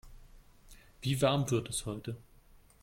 Wie warm wird es heute?